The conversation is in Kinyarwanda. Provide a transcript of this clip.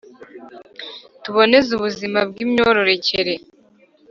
Tuboneze ubuzima bw’ imyororokere.